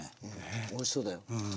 おいしそうだよ。